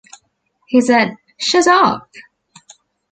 He said, shut up!